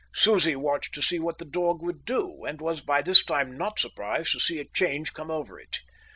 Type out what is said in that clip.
Susie watched to see what the dog would do and was by this time not surprised to see a change come over it.